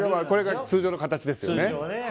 これが通常の形ですね。